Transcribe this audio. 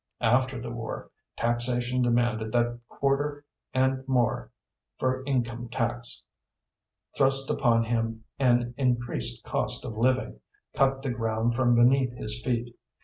After the war, taxation demanded that quarter and more for income tax, thrust upon him an increased cost of living, cut the ground from beneath his feet.